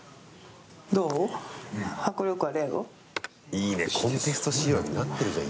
いいねコンテスト仕様になってるじゃん。